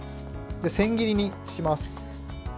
千切りにします。